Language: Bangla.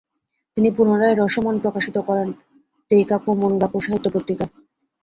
তিনি পুনরায় "রাশোমন" প্রকাশিত করেন তেইকাকু মোনগাকু সাহিত্যিক পত্রিকায়।